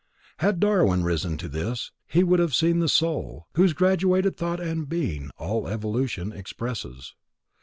Had Darwin risen to this, he would have seen the Soul, whose graduated thought and being all evolution expresses.